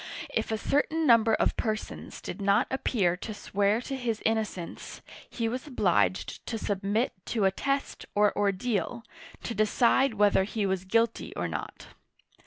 If a certain number of per sons did not appear to swear to his innocence, he was obliged to submit to a test, or ordeal, to decide whether he was guilty or not.